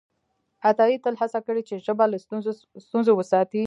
عطایي تل هڅه کړې چې ژبه له ستونزو وساتي.